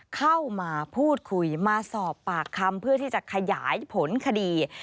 เข้ามาพูดคุยมาสอบปากคำเพื่อที่จะขยายผลคดี